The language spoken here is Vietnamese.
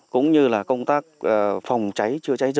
cũng như là công tác phòng cháy chưa xảy ra